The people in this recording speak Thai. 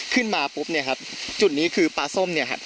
ขึ้นมาปุ๊บเนี่ยครับจุดนี้คือปลาส้มเนี่ยครับ